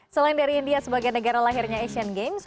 selain dari india sebagai negara lahirnya asian games